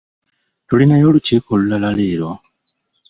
Tulinayo olukiiko olulala leero?